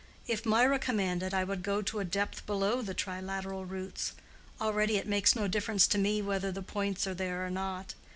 If Mirah commanded, I would go to a depth below the tri literal roots. Already it makes no difference to me whether the points are there or not.